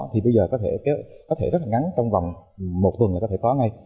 thì bây giờ có thể rất là ngắn trong vòng một tuần có thể có ngay